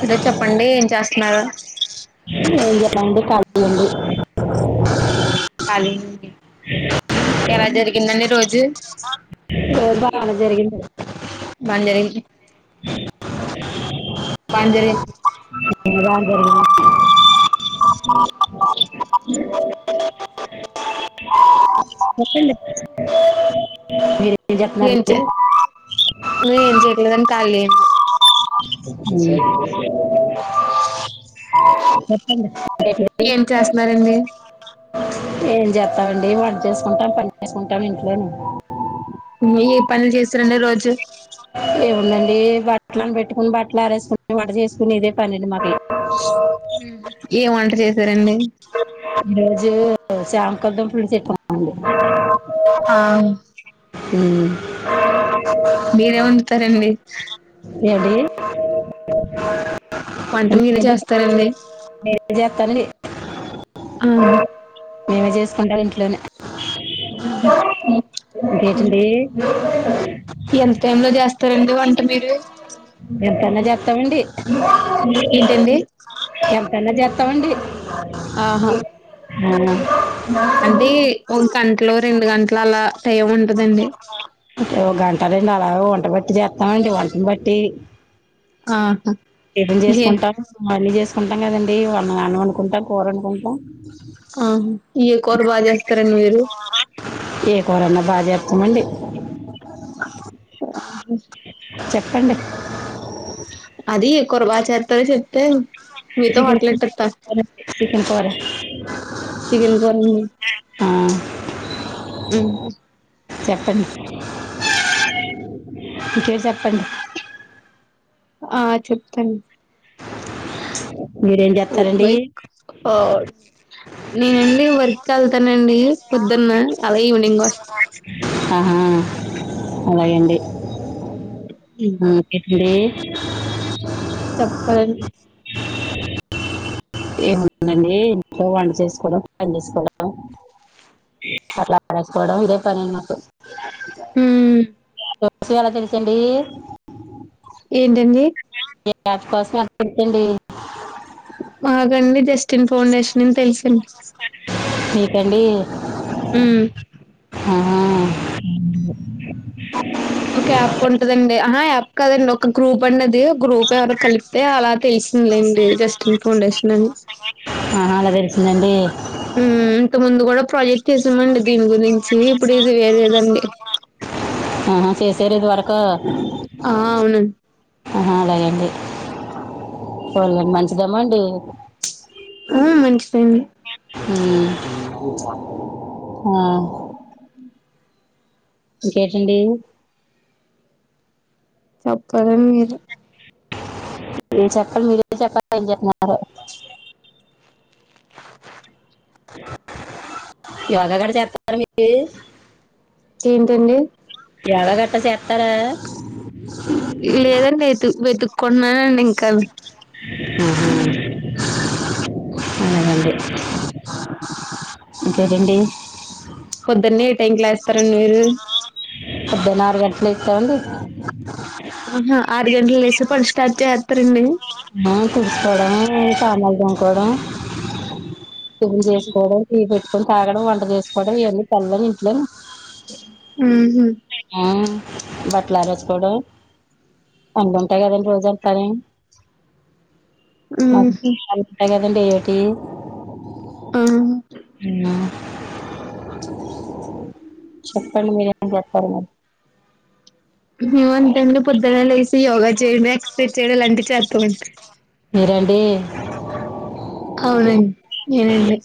Hello చెప్పండి ఏం చేస్తున్నారు ఏ ఏం చెప్పండి. కాలియుండి. కలినేండి ఎలా జరిగిందండి రోజు గోద్ బానే జరిగిందే బానే జరిగింది బజారీ నోటి అ చెప్పండే ఏంచే ఇగా ఎమ్ చేయట్లేదాండి కాల్లేవు హు చెప్పండే ఏం చేస్తున్నారండి ఏం జేతావండి. వంట చేసుకుంటాం పని చేసుకుంటాం ఇంట్లోనే హుము ఏ పనులు చేసురండి. రోజు ఏ బట్టలను పెట్టుకుని, బట్టలు ఆరేసుకుంటు, వంట జేసుకునేదే పనేండి మాది. హుహ్ ఏ వంట చేశారండి? దే శ్యాం కద్దం పులుసేట్టమండి. ఆ హుహ్ మీరే వండుతారండి యేండి వంట ఏంటి మీరే ఏమో చేస్తారండి నీన్ జేతా అండి. ఆ ఏమి జేసుకుంటంవ్ ఇంట్లోనే. గెచ్చిడి ఎంత్ టైం లో జేస్తరండి. వంట మీరు? యంటన జేత్తామండీ. ఏంటండి యంటన జత్ తావండి ఆహా అంటే ఒక్ కంట్లో, రెండు గంట్లో, అలా టైం ఉంటదండి. ఓ గంట రండు అలాగ వంటబట్టి జేతామండి వంటన్ బట్టీ. ఆహా ఎప్పుడు ఏ జేసుకుంటారు? మళ్ళీ జేస్ కుంటాం గదండీ, వన్ అన్నమండుకుంటాం, కురోందుకుంటాం. ఆహా యే కూర బాగ్ జేస్తరండి మీరు? ఏ కూరన్న బజేత్ తమండి. చెప్ కండే అది ఏ కూర బాగా చేస్తారో చెప్తే మీతో చికెన్ హోటల్ కూర బాగ్ ఎట్టేత్తా జేతారండీ. చికెన్ కూర చిగెన్ కూరండీ. ఆ చెప్పండి. ఇంకేడ్ జెప్పండి. ఆ చెప్తాడ్ మీరేం ఓ చేస్తారండి మై కు కాడ్ నేనండి వర్క్ ఏళ్తానండి. పొద్దున్నా, అలగే ఈవినింగ్ ఒస్త్. ఆహా! అలే అండి. టిప్లింగ్ లే చంపడాన్ ఏముందండీ. ఇంట్లో వంట చేసుకోవడం, పని జేసుకోవడం. ఏ అట్ల అనకపోవడం ఇదే పల్లిల్ నాకు హుహ్ కోస్సుయాలా తెలిసింది. యేండండీయి యస్ట్ ఫస్ట్ నాట్ పుట్టింది. ఆ రెండిటి జస్ట్ ఏంటండీ ఉమ్ ఆ కదండి ఒక గ్రూప్ అన్నదే గ్రూప్లొ ఎవరొ కలిపితే అలా తెలిసిందిలెండి. జస్ట్ ఫౌండేషన్ అని తెలుస్తుందండీ ప్రొజెక్ట్ చేశామండి దీని గురించి, ఇప్పుడు ఇది వేరేదండి. ఆహా చేశార్ ఇదివరకూ. ఆ అవును. ఆ అలాగండి ఒల్లు మంచిదమండీ ఆ మంచిదండి ఉమ్ ఆ ఇంకేటండీ? చెప్పాలండి మీరే ఏం చెప్పాలి మీరేం చెప్పాలి ఏం చేస్తున్నారో యోగా కూడా చేత్తారా మీరు ఏంటండి యోగ గట్టా చేస్తారా లేదండి వెతు వెతుక్కుంటున్నానండి ఇంకా అలాగే అండి ఇంకేటండి పొద్దన్నే ఏ టైం కి లేస్తారండి మీరు పొద్దున్న ఆరు గంటలకి ఆహా ఆరు గంటలకు లేసి పనులు స్టార్ట్ చేస్తారా అండి మా తుడుసుకోవడం సామాన్లు తోముకోవడం టీ చేసుకోవడం టీ పెట్టుకొని తాగడం వంట చేసుకోవడం ఇవన్నీ పనుళ్ళన్ని ఇంట్లోనే ఉహు ఉమ్ బట్టలు ఆరేసుకోవడం పనులు ఉంటాయి కదా అండి రోజంతా ని మాకు ఊహూ ఉంటాయి కదండి ఏటి ఆ ఉమ్ చెప్పండి మీరేమన్నా అవును మేము అంతే అండి పొద్దున లేసి యోగా చేయడం ఎక్సర్సైజ్ చేయడం అలాంటివి చేస్తాం మీరా అండి అవునండి నేనండి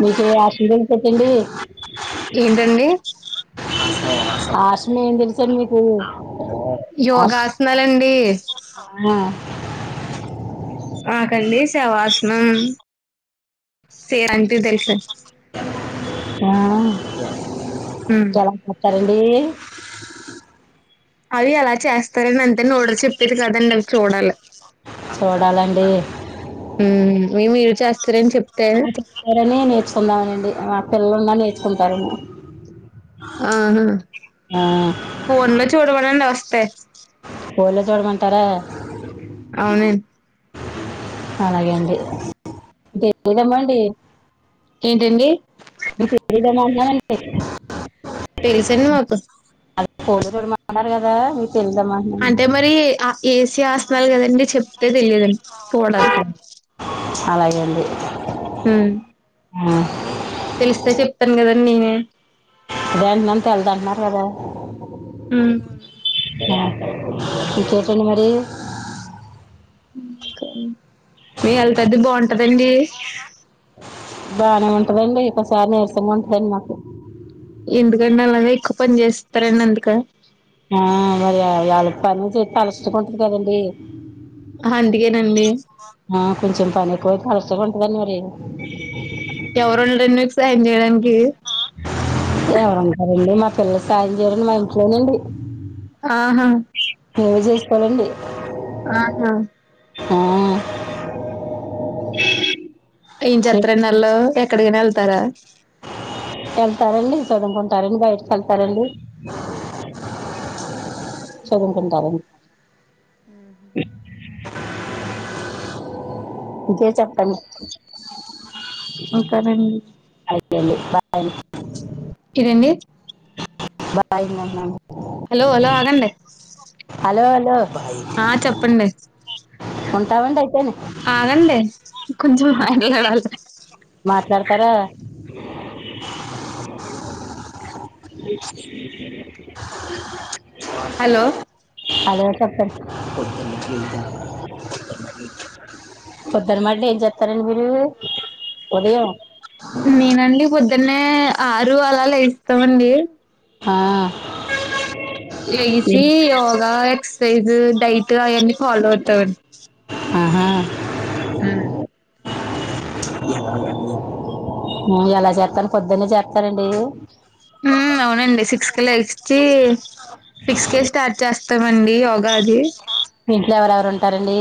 మీకు [unintelligible] పెట్టండి ఏంటండి ఆసనం ఏం తెలుసండి మీకు ఆశ యోగా ఆసనాలు అండి ఆ మాకండి శవాసనం సే ఇలాంటివి తెలుసండి ఆ చాలా కొత్త ఏ అవి అలా చేస్తారని అంతే నోటితో చెప్పేది కాదండి అవి చూడాలి చూడాలండి మీ మీరు చేస్తారని చెప్తే రని నేర్చుకుందామనండి పిల్లలున్నా నేర్చుకుంటారెమో ఆహా ఆ ఫోన్లో చూడమనండి వస్తాయి ఫోన్లో చూడమంటార అవునండి అలాగే అండి దమ్మండి ఏంటండి ద మా తెలుసండి మాకు [unintelligible] పోన్ తో మట్లాడాలి కదా మీ అంటే మరి ఆ ఏసే ఆసనాలు కదండి చెప్తే తెలియదండి చూడాలి అలాగే అండి ఆ తెలిస్తే చెప్తాను కదండి నేనే అదే అంటున్నాను తెల్దంటున్నారు కదా ఇంకెటండి మరి [unintelligible] [inaudible] మీ హెల్త్ అయితే బాగుంటదండి బానే ఉంటదండి ఒకసారి నీరసంగా ఉంటదండి మాకు ఎందుకండి అలాగ ఎక్కువ పని చేస్తారండి అందుక ఆ మరి ఎళ పని చెస్త అలుచకుంటారు కదండి అందుకేనండి ఆ కొంచెం పని ఎక్కువయి అలసట గా ఉంటదండి మరి ఎవరు ఉండరుడి మీకు సాయం చేయడానికి ఎవరంటారండి మా పిల్లలు సాయం చేయరడి మా ఇంట్లోనండి ఆహా నేనే చేసుకోవాలండి ఆహా ఆ ఏం చే- చేత్తరండీ వాళ్లు ఎక్కడికైనా వెళ్తారా వెళ్తారండి చదవకుంటారండి బయట వెల్తారండి చదువుకుంటారండి ఇంకేమి చెప్పండి ఇంకా నండి ఏం లేదండి బాయ్ అండీ ఇదేందీ బాయ్ అండీ అని అంటున్నాను హలో హలో ఆగండీ హలో హలో ఆ చెప్పండి ఉంటామ్ అండీ ఆగండి కొంచెం మాట్లాడాలి మాట్లాడతారా [inaudible] హలో హలో చెప్పండి పొద్దున్న మళ్ళీ ఏం చెస్తారండి మీరు ఉదయం నేనండి పొద్దున్నే ఆరు అలా లేగుస్తామండి హా లేచి యోగా ఎక్సర్సైజ్ డైట్ అవన్నీ ఫాలో అవుతామండి ఆహా ఉమ్ ఎలా చేస్తను పొద్దున్న చేత్తారండి ఉమ్ అవునండి సిక్స్ ఏ లెగసి సిక్స్ కేే స్టార్ట్ చేస్తామండి యోగా అది ఇంట్లో ఎవరెవరు ఉంటారండి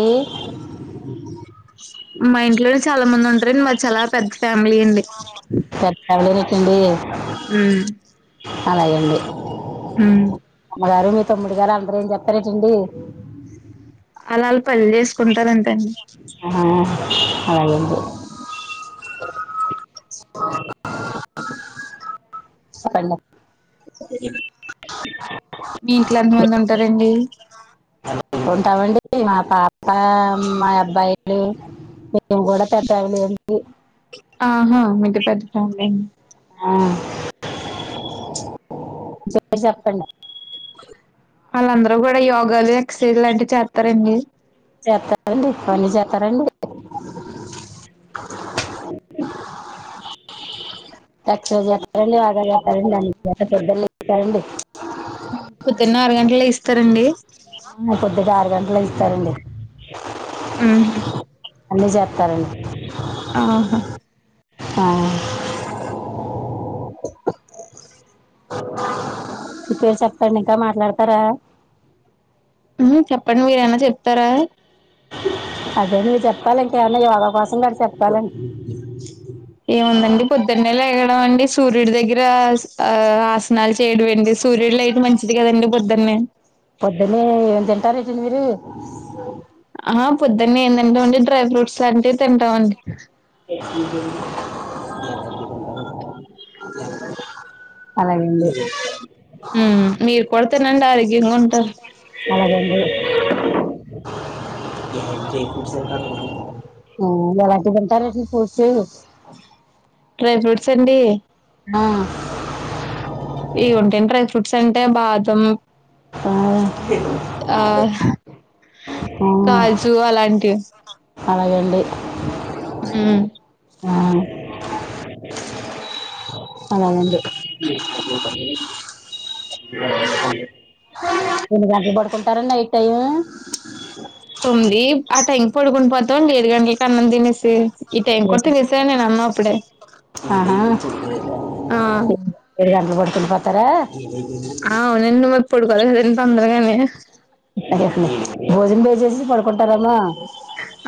మా ఇంట్లోనే చాలా మంది ఉంటారండి మారి చాలా పెద్ద ఫ్యామిలీ అండి చర్చవళరుకండి [inaudible] [unintelligible] ఉమ్ అలాగండి ఉమ్ మాగారు మీ తమ్ముడి గారు అందరూ ఏం చెప్పారా చింటూ అలాల్ ఆహా అవును చెప్పల మీ ఇంట్లో ఎంత మంది ఉంటారండి ఉంటామండి మా పాప మా అబ్బాయిలు మం కూడా తట్ట వెలి ఏంటి ఆహా మీది పెద్ద ఫ్యామిలీ ఆ చెప్పండి వాళ్ళందరూ కూడా యోగాలు ఎక్సర్సైజ్ ఇలాంటివి చేస్తారండి చేస్తారంండి పన్నలు చేస్తారండి క్షజు చెప్పారండి బాగా చెప్పారండి అ పెద్దలు చెప్పారండి అ పొద్దున్న ఆరు గంటలకి లేస్తారండి ఆ పొద్దుట ఆరు గంటలకు మ్మ్ లేస్తారండి హ్మ్ అన్నీ చేస్తారండి ఆహా ఆ ఇప్పుడు ఏం చెప్పండి ఇంకా మాట్లాడుతారా మ్మ్ చెప్పండి మీరు ఏమన్నా చెప్తారా అదేం లేదు చెప్పాలంటే అన్నయ్య యోగా కోసం గా చెప్పాలండి తెల్లారి లేగడం అండి సూర్యుడి దగ్గర ఆ ఆసనాలు చేయడం అండి సూర్యుడు లైటు మంచిది కదండీ పొద్దున్నే పొద్దున్నే ఏం తింటారు ఏంటి మీరు ఆ పొద్దున్నే ఏం తింటాం అండి డ్రై ఫ్రూట్స్ లాంటివి తింటాం అండి అలాగే అండి మ్మ్ మీరు కూడా తినండి ఆరోగ్యంగా ఉంటారు అలాగే అండి హా ఏంటండీ ఏం ఫ్రూట్స్ తింటారు ఇయ్యాల ఎలాంటివి తింటారు ఏంటి ఫ్రూట్స్ డ్రై ఫ్రూట్స్ అండి ఆ ఏం ఉంటాయి డ్రై ఫ్రూట్స్ అంటే బాదం ఆ అదే ఆ కాజు అలాంటివి అలాగే అండి హ్మ్ ఆ అలాగే అండి ఎన్ని గంటలకి పడుకుంటారండి నైట్ టైము తొమ్మిది ఆ టైం పడుకుండి పోతాం ఏడు గంటలకి అన్నాం తినేసి ఈ టైం కూడా తినేసాను నేను అన్నం అప్పుడే ఆహా ఆ ఏడు గంటలకు పడుకుండిపోతారా ఆ అవునండి మరి పడుకోవాలి కదండి తొందరగానే భోజనం చేసేసి పడుకుంటారమ్మ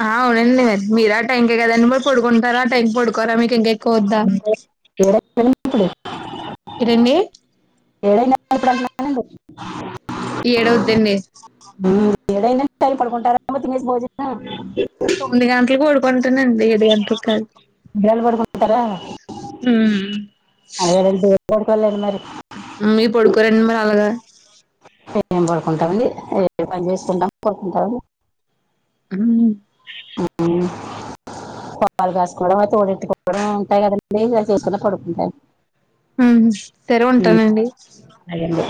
ఆ అవునండి మీరా టైంకే కదండి మరి పడుకుంటారా ఆ టైంకి పడుకోరా మీకు ఇంకా ఏం కోద్దా ఏడైంది ఏంటండీ ఏదైనా ఇప్పుడు అంటున్న ఏడు అవుద్దండి హమ్ ఏడైందండి టైం పడుకుంటారా తినేసి భోజన తొమ్మిది గంటలకు పడుకుంటనండి ఏడు గంటలకు కాదు కదా హ్మ్ అదేదే పడుకోలేను మరి ఆ మీరు పడుకోరండి మరి అలాగా ఏం పడుకుంటామండి ఏ పని చేసుకుంటాము పడుకుంటాము ఉ పాపాలు కాసుకోవడం తోడుఏట్టుకోవడం ఉంటాయి కదండీ ఇగ చేసుకునే పడుకుంటాయి హ సరే ఉంటానండి అలాగండి